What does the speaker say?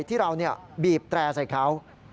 ที่เราบีบแตร่ใส่เขา